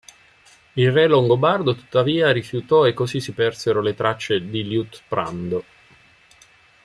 Il re longobardo tuttavia rifiutò e così si persero le tracce di Liutprando.